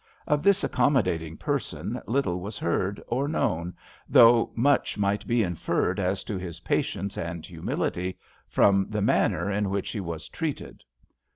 Of this accommodating person little was heard or known, though much might be inferred as to his patience and humility from the manner in which he was treated.